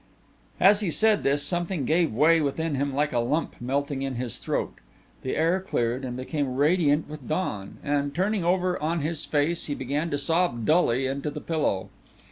As he said this something gave way within him like a lump melting in his throat. The air cleared and became radiant with dawn, and turning over on his face he began to sob dully into the pillow.